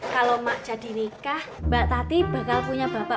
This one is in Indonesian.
kalau mak jadi nikah mbak tati bakal punya bapak